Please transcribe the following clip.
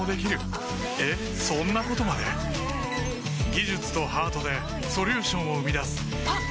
技術とハートでソリューションを生み出すあっ！